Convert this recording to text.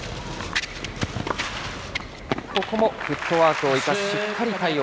ここもフットワークを生かし、しっかり対応。